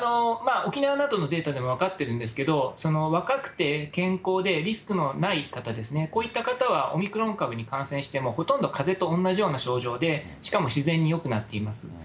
沖縄などのデータでも分かってるんですけど、若くて健康で、リスクのない方ですね、こういった方は、オミクロン株に感染してもほとんどかぜと同じような症状で、しかも自然によくなっています。